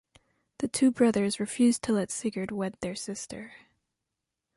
The two brothers refused to let Sigurd wed their sister.